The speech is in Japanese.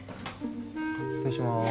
失礼します。